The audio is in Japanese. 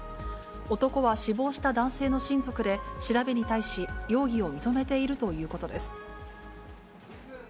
男は死亡した男性の親族で、調べに対し、容疑を認めているということです。